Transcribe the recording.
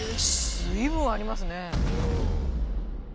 随分ありますね。